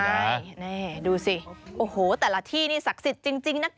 ใช่นี่ดูสิโอ้โหแต่ละที่นี่ศักดิ์สิทธิ์จริงนะคะ